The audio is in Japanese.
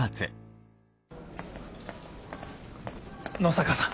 野坂さん